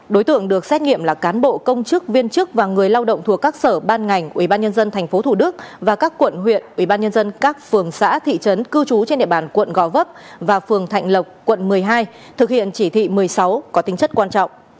đối tượng được xét nghiệm là cán bộ công chức viên chức và người lao động thuộc các sở ban ngành ubnd tp thủ đức và các quận huyện ubnd các phường xã thị trấn cư trú trên địa bàn quận gò vấp và phường thạnh lộc quận một mươi hai thực hiện chỉ thị một mươi sáu có tính chất quan trọng